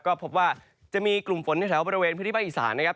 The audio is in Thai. ก็พบว่าจะมีกลุ่มฝนในแถวบริเวณพื้นที่ภาคอีสานนะครับ